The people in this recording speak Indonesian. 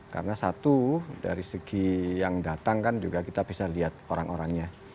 karena satu dari segi yang datang kan juga kita bisa lihat orang orangnya